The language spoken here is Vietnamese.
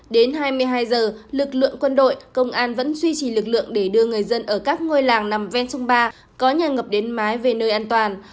đến hai mươi hai giờ lực lượng quân đội công an vẫn duy trì lực lượng để đưa người dân ở các ngôi làng nằm ven sông ba có nhà ngập đến mái về nơi an toàn